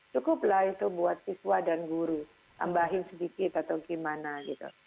cukuplah itu buat siswa dan guru tambahin sedikit atau gimana gitu